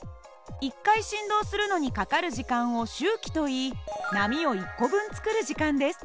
１回振動するのにかかる時間を周期といい波を１個分作る時間です。